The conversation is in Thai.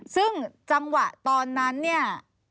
ซึ่งจังหวะตอนนั้นเนี่ย